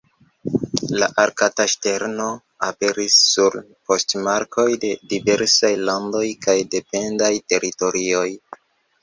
La Arkta ŝterno aperis sur poŝtmarkoj de diversaj landoj kaj dependaj teritorioj.